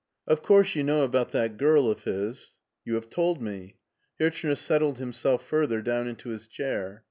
'* Of course you know about that girl of his." " You have told me.*' Hirchner settled himself fur ther down into his chair.